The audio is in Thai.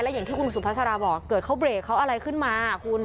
อย่างที่คุณสุภาษาราบอกเกิดเขาเบรกเขาอะไรขึ้นมาคุณ